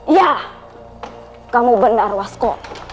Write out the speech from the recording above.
iya kamu benar wasko